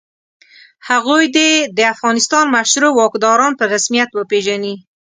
هغوی دې د افغانستان مشروع واکداران په رسمیت وپېژني.